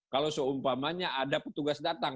kalau seumpamanya ada petugas datang